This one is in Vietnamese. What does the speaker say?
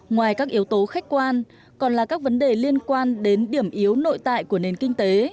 ngoài các yếu tố khách quan còn là các vấn đề liên quan đến điểm yếu nội tại của nền kinh tế